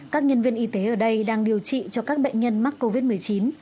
các nhân viên y tế ở đây đang điều trị cho các bệnh nhân mắc covid một mươi chín